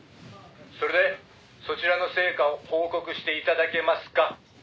「それでそちらの成果を報告して頂けますか？」